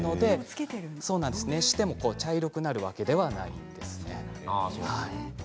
焼いても茶色くなるわけではないんですね。